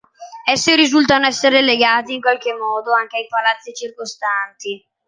Essi risultano essere legati in qualche modo anche ai palazzi circostanti.